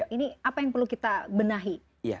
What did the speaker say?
ini apa yang perlu kita benahi